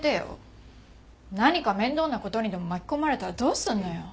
何か面倒な事にでも巻き込まれたらどうすんのよ。